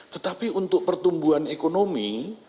tetapi untuk pertumbuhan ekonomi